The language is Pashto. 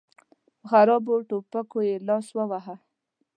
په خرابو ټوپکو يې لاس وواهه.